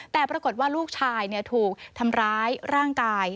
แต่ปรากฏว่าลูกชายถูกทำร้ายร่างกาย